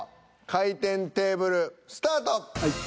回転テーブルスタート！